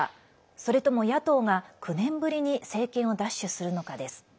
それとも野党が９年ぶりに政権を奪取するのかです。